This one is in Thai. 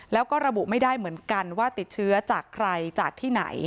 แล้วก็ระบุไม่ได้เหมือนกันว่าติดเชื้อจากใครจากที่ไหน